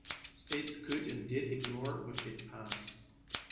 States could, and did, ignore what did pass.